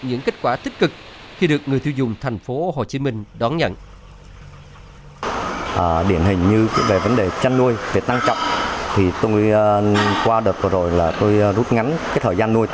những kết quả tích cực khi được người tiêu dùng thành phố hồ chí minh đón nhận